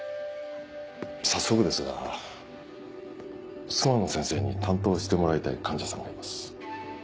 早速ですが諏訪野先生に担当してもらいたい患者さんがいます。